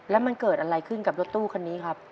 แล้วมันเกิดอะไรขึ้นกับรถตู้คันนี้ครับ